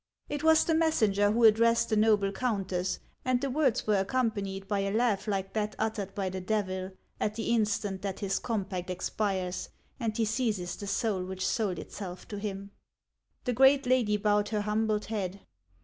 " It was the messenger who addressed the noble countess, and the words were accompanied by a laugh like that uttered by the Devil, at the instant that his compact ex pires and he seizes the soul which sold itself to him. The great lady bowed her humbled head.